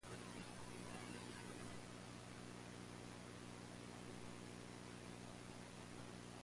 Before her arrived he had been abroad getting suffering from tuberculosis.